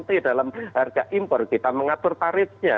tapi dalam harga impor kita mengatur tarifnya